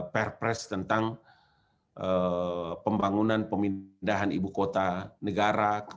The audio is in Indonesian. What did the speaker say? perpres tentang pembangunan pemindahan ibu kota negara